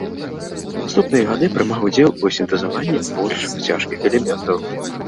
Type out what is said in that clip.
У наступныя гады прымаў удзел у сінтэзаванні больш цяжкіх элементаў.